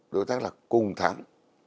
đối tác là cùng thắng